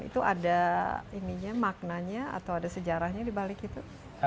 itu ada maknanya atau ada sejarahnya dibalik itu